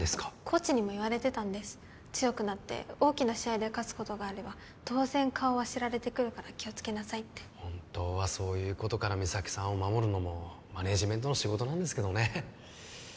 コーチにも言われてたんです強くなって大きな試合で勝つことがあれば当然顔は知られてくるから気をつけなさいって本当はそういうことから三咲さんを守るのもマネージメントの仕事なんですけどね